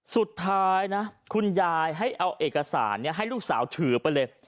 สุดท้ายนะคุณยายให้เอาเอกสารให้ลูกสาวถือไปเลย